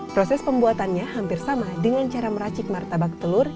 proses pembuatannya hampir sama dengan cara meracik martabak telur